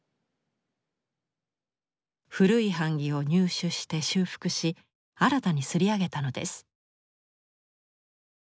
古い版木を入手して修復し新たに摺り上げたのです。